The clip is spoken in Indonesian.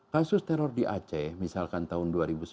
kasus teror di aceh misalkan tahun